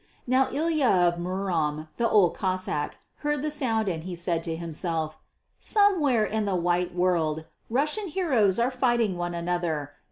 Now Ilya of Murom the Old Cossáck heard that sound and he said to himself, "Somewhere in the white world Russian heroes are fighting one another.